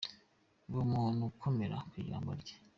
Ba umuntu ukomera ku ijambo rye.